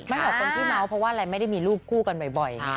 ไม่เหรอคนที่เมาว์เพราะว่าอะไรไม่ได้มีลูกคู่กันบ่อย